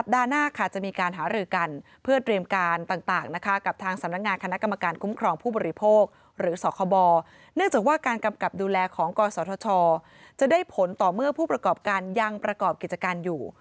ดูแลของกศทจะได้ผลต่อเมื่อผู้ประกอบการยังประกอบกิจการอยู่